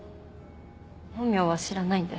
本名は知らないんで。